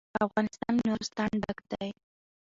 افغانستان له نورستان ډک دی.